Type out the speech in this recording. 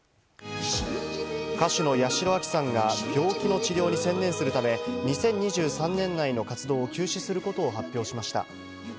歌手の八代亜紀さんが病気の治療に専念するため、２０２３年内の活動を休止することを発表しました。